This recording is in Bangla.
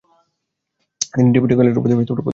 তিনি ডেপুটি কালেক্টর হিসেবে পদোন্নতি পান।